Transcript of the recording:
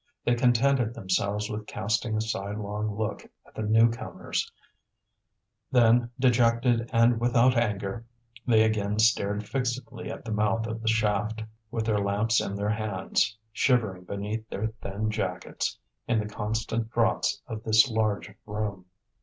They contented themselves with casting a sidelong look at the new comers; then, dejected and without anger, they again stared fixedly at the mouth of the shaft, with their lamps in their hands, shivering beneath their thin jackets, in the constant draughts of this large room.